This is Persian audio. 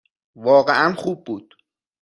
واقعاً خوب بود.